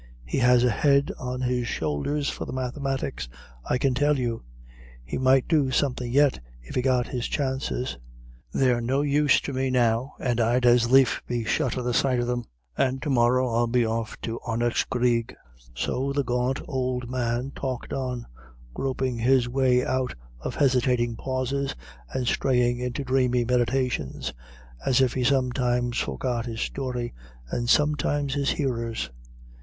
He has a head on his shoulders for the mathematics, I can tell you; he might do something yet, if he got his chances. They're no use to me now, and I'd as lief be shut of the sight of them. And to morra I'll be off to Ardnacreagh." So the gaunt old man talked on, groping his way out of hesitating pauses, and straying into dreamy meditations, as if he sometimes forgot his story, and sometimes its hearers.